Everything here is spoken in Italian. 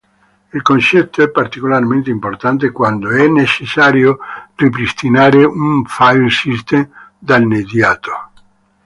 Il concetto è particolarmente importante quando è necessario ripristinare un file system danneggiato.